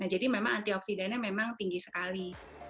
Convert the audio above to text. jadi memang antioksidannya memang tinggi sekali